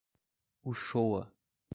Uchoa